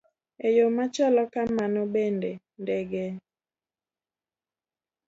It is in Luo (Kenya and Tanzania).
E yo machalo kamano bende, ndege chi